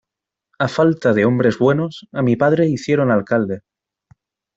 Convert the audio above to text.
A falta de hombres buenos, a mi padre hicieron alcalde.